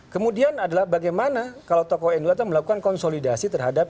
kemudian adalah bagaimana kalau tokoh nu akan melakukan konsolidasi terhadap